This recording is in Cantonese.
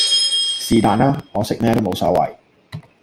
是但啦！我食咩都無所謂